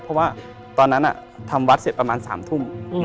เพราะว่าตอนนั้นทำวัดเสร็จประมาณ๓ทุ่ม